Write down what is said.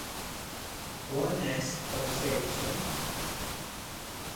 Quan és el seu sant?